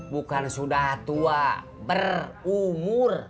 bukan sudah tua berumur